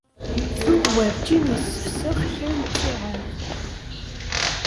Tuɣ werǧin yessefsex kra n ttiɛad.